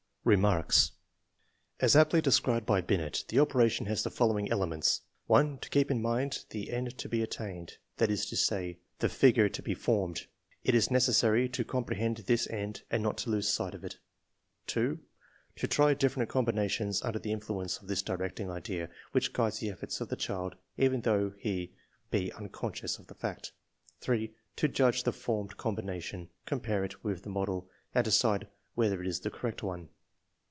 Remarks* As aptly described by Binet, the operation has the following elements: " (1) To keep in mind the end to be attained, that is to say, the figure to be formed. It is necessary to comprehend this end and not to lose sight of it. (2) To try different combinations under the influence of this directing idea, which guides the efforts of the child even though he be unconscious of the fact. (3) To judge the formed combination, compare it with the model, and decide whether it is the correct one."